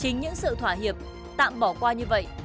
chính những sự thỏa hiệp tạm bỏ qua như vậy